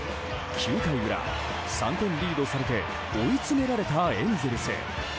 ９回裏、３点リードされて追い詰められたエンゼルス。